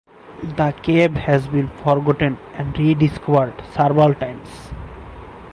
The cave has been forgotten and rediscovered several times.